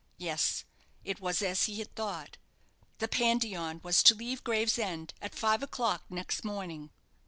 Yes: it was as he had thought. The "Pandion" was to leave Gravesend at five o'clock next morning.